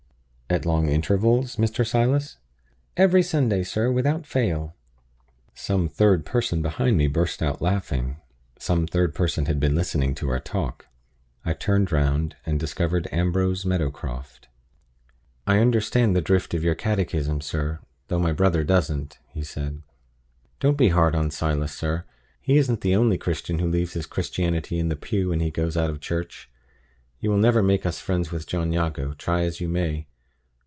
"At long intervals, Mr. Silas?" "Every Sunday, sir, without fail." Some third person behind me burst out laughing; some third person had been listening to our talk. I turned round, and discovered Ambrose Meadowcroft. "I understand the drift of your catechism, sir, though my brother doesn't," he said. "Don't be hard on Silas, sir. He isn't the only Christian who leaves his Christianity in the pew when he goes out of church. You will never make us friends with John Jago, try as you may.